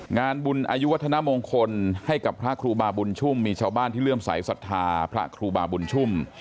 งานบุญอายุวัฒนมงคลให้กับพระครูบาบุญชุ่มมีชาวบ้านที่เริ่มสายศรัทธาพระครูบาบุญชุ่ม